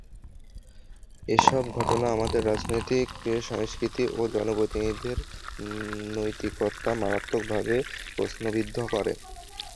এসব ঘটনা আমাদের রাজনৈতিক সংস্কৃতি ও জনপ্রতিনিধিদের নৈতিকতা মারাত্মকভাবে প্রশ্নবিদ্ধ করে।